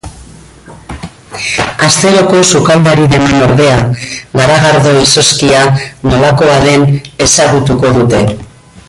Asteroko sukaldari deman ordea, garagardo izozkia nolakoa den ezagutuko dute.